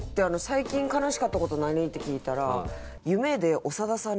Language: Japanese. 最近悲しかった事何？って聞いたら。